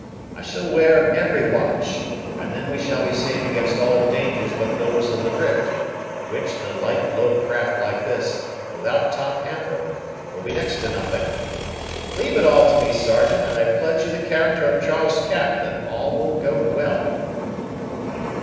I shall ware every watch, and then we shall be safe against all dangers but those of the drift, which, in a light low craft like this, without top hamper, will be next to nothing. Leave it all to me, Sergeant, and I pledge you the character of Charles Cap that all will go well."